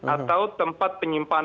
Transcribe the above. atau tempat penyimpanan